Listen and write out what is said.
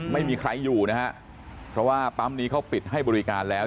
ไม่มีใครอยู่นะฮะเพราะว่าปั๊มนี้เขาปิดให้บริการแล้ว